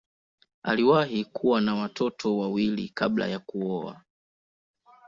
Aliwahi kuwa na watoto wawili kabla ya kuoa.